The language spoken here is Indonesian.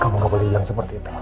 kamu gak boleh hilang seperti itu